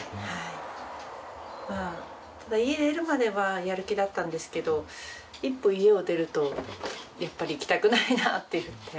ただ家出るまではやる気だったんですけど一歩家を出るとやっぱり行きたくないなって言って。